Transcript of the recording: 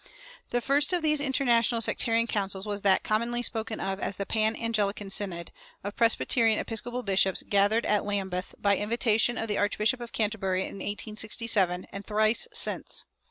The first of these international sectarian councils was that commonly spoken of as "the Pan Anglican Synod," of Protestant Episcopal bishops gathered at Lambeth by invitation of the Archbishop of Canterbury in 1867 and thrice since.